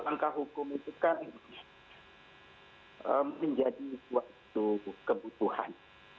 langkah hukum itu kan menjadi suatu kebutuhan